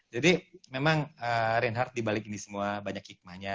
jadi memang reinhardt dibalik ini semua banyak hikmahnya